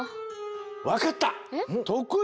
わかった！